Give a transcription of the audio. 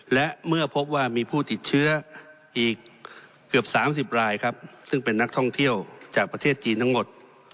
และเมื่อพบว่ามีผู้ติดเชื้ออีกเกือบ๓๐รายครับซึ่งเป็นนักท่องเที่ยวจากประเทศจีนทั้งหมด